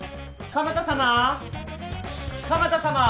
鎌田様？